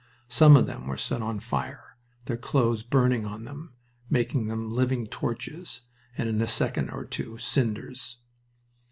Some of them were set on fire, their clothes burning on them, making them living torches, and in a second or two cinders.